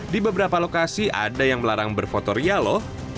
di beberapa lokasi ada yang melarang berfotoria lho